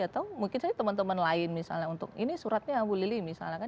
atau mungkin saja teman teman lain misalnya untuk ini suratnya bu lili misalnya kan